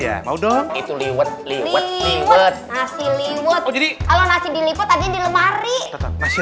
iya mau dong itu liwet liwet liwet nasi liwet jadi kalau nasi di liput aja di lemari masih